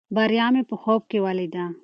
بریا مې په خوب کې ولیده.